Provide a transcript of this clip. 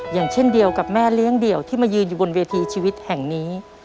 อย่างเช่นเดียวกับแม่เลี้ยงเดี่ยวที่มายืนอยู่บนเวทีชีวิตแห่งนี้